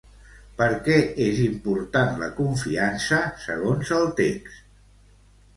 Per què és important la confiança, segons el text?